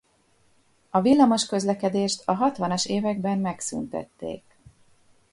A villamos közlekedést a hatvanas években megszüntették.